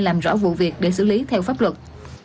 làm rõ vụ việc để xử lý theo pháp luật